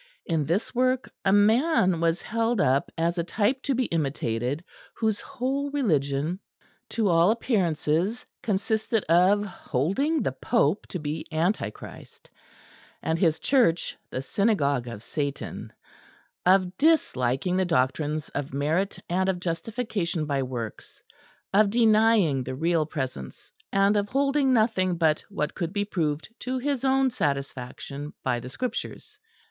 In this work a man was held up as a type to be imitated whose whole religion to all appearances consisted of holding the Pope to be Antichrist, and his Church the synagogue of Satan, of disliking the doctrines of merit and of justification by works, of denying the Real Presence, and of holding nothing but what could be proved to his own satisfaction by the Scriptures.